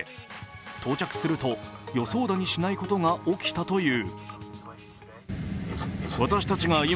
到着すると予想だにしないことが起きたという。